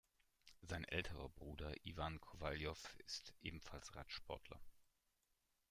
Sein älterer Bruder Iwan Kowaljow ist ebenfalls Radsportler.